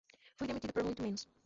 Fui demitido por muito menos